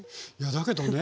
だけどね